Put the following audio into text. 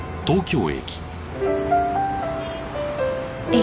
駅